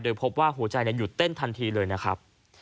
โดยพบว่าหัวใจหยุดเต้นทันทีเลยนะครับ